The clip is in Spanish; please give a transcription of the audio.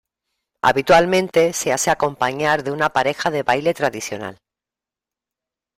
Habitualmente, se hace acompañar de una pareja de baile tradicional.